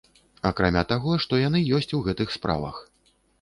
Акрамя таго, што яны ёсць у гэтых справах.